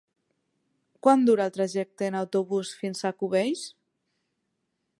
Quant dura el trajecte en autobús fins a Cubells?